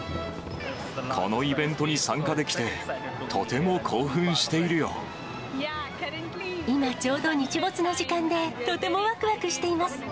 このイベントに参加できて、今、ちょうど日没の時間で、とてもわくわくしています。